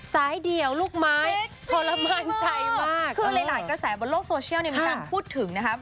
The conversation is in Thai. ซ้ายเดี่ยวลูกไม้เซ็กซี่เมอร์ประมาณใจมากคือหลายหลายกระแสบนโลกโซเชียลเนี่ยมีการพูดถึงนะครับ